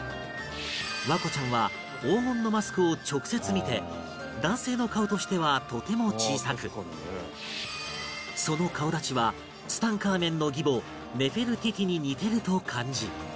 環子ちゃんは黄金のマスクを直接見て男性の顔としてはとても小さくその顔立ちはツタンカーメンの義母ネフェルティティに似てると感じ